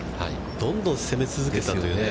どんどん攻め続けたというね。